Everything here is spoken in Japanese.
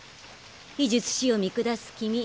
非術師を見下す君。